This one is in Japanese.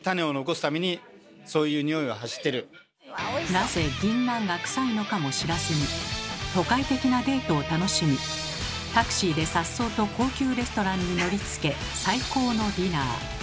なぜぎんなんがクサいのかも知らずに都会的なデートを楽しみタクシーでさっそうと高級レストランに乗りつけ最高のディナー。